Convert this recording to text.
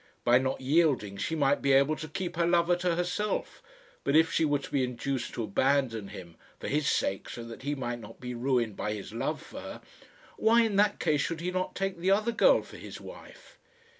By not yielding she might be able to keep her lover to herself; but if she were to be induced to abandon him for his sake, so that he might not be ruined by his love for her why, in that case, should he not take the other girl for his wife?